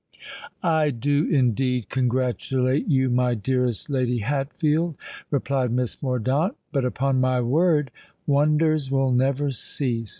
"I do indeed congratulate you, my dearest Lady Hatfield," replied Miss Mordaunt. "But upon my word, wonders will never cease.